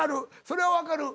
それは分かる。